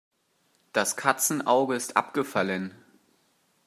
Das Katzenauge ist abgefallen.